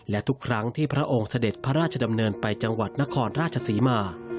และทุกครั้งที่พระองค์เสด็จพระราชดำเนินไปจังหวัดนครราชศรีมา